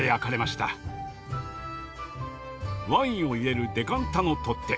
ワインを入れるデカンタの取っ手。